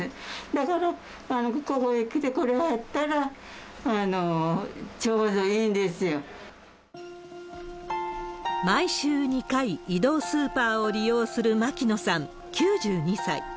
だから、ここへ来てくれはったら、毎週２回、移動スーパーを利用する牧野さん９２歳。